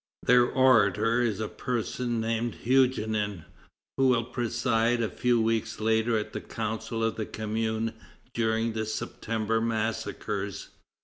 Their orator is a person named Huguenin, who will preside a few weeks later at the Council of the Commune during the September massacres.